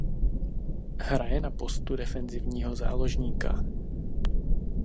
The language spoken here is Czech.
Hraje na postu defenzivního záložníka.